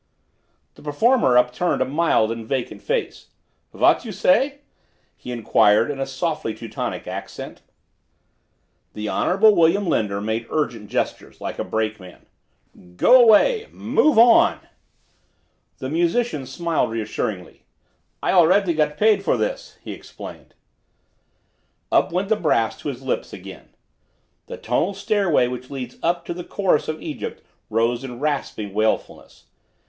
The performer upturned a mild and vacant face. "What you say?" he inquired in a softly Teutonic accent. The Honorable William Linder made urgent gestures, like a brakeman. "Go away! Move on!" The musician smiled reassuringly. "I got already paid for this," he explained. Up went the brass to his lips again. The tonal stairway which leads up to the chorus of Egypt rose in rasping wailfulness.